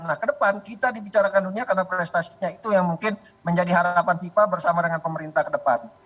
nah kedepan kita dibicarakan dunia karena prestasinya itu yang mungkin menjadi harapan fifa bersama dengan pemerintah kedepan